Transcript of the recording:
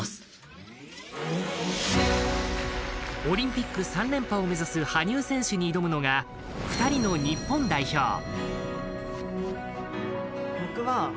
オリンピック３連覇を目指す羽生選手に挑むのが２人の日本代表。